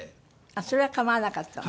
それは構わなかったの？